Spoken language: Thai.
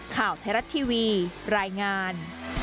ข่าวไทยรัฐทีวีรายงาน